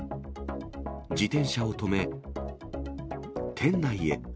自転車を止め、店内へ。